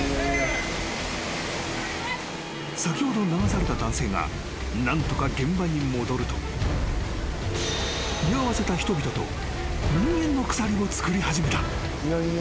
［先ほど流された男性が何とか現場に戻ると居合わせた人々と人間の鎖をつくり始めた］